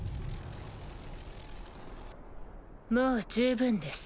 もう十分です。